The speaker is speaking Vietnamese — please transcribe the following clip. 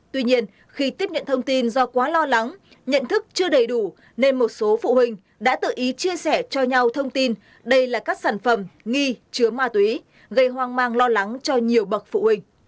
tuy nhiên khi tiếp nhận thông tin do quá lo lắng nhận thức chưa đầy đủ nên một số phụ huynh đã tự ý chia sẻ cho nhau thông tin đây là các sản phẩm nghi chứa ma túy gây hoang mang lo lắng cho nhiều bậc phụ huynh